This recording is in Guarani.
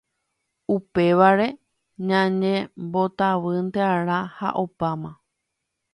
upévare ñañembotavýnte'arã ha opáma